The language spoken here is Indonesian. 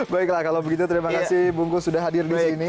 baiklah kalau begitu terima kasih bungkus sudah hadir di sini